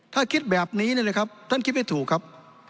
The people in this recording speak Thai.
ถ้าคิดแบบนี้เนี่ยนะครับท่านคิดไม่ถูกครับ